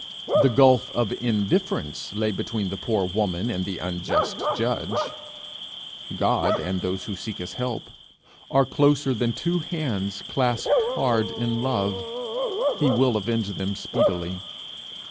The gulf of indifference lay between the poor woman and the unjust judge; God and those who seek his help, are closer than two hands clasped hard in love: he will avenge them speedily.